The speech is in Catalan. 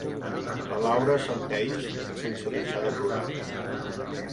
La Laura assenteix, sense deixar de plorar.